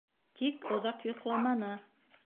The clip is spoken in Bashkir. Тик оҙаҡ йоҡламаны.